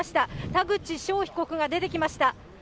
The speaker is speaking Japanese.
田口翔被告が出てきました。